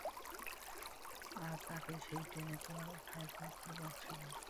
আর তাকে এই ট্রেনে তোলার ওটাই একমাত্র পথ ছিল।